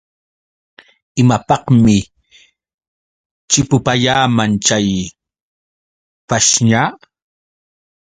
¿Imapaqmi chipupayawan chay pashña.?